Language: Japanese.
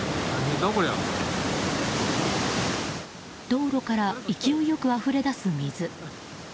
道路から勢いよくあふれ出す水。